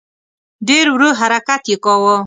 ډېر ورو حرکت یې کاوه.